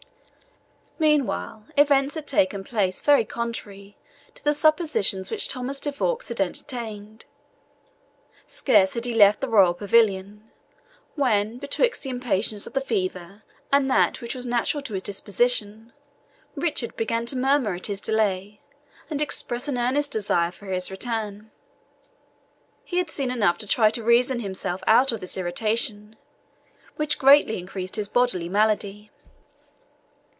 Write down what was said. Meantime, events had taken place very contrary to the suppositions which Thomas de Vaux had entertained. Scarce had he left the royal pavilion, when, betwixt the impatience of the fever, and that which was natural to his disposition, Richard began to murmur at his delay, and express an earnest desire for his return. He had seen enough to try to reason himself out of this irritation, which greatly increased his bodily malady.